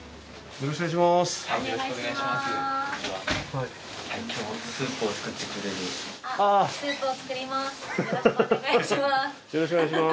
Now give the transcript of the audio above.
よろしくお願いします。